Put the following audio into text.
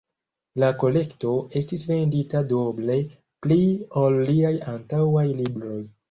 La kolekto estis vendita duoble pli ol liaj antaŭaj libroj.